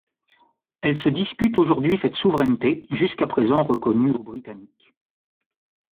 Elles se disputent aujourd'hui cette souveraineté, jusqu'à présent reconnue aux Britanniques.